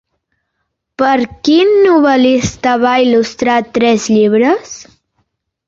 Per a quin novel·lista va il·lustrar tres llibres?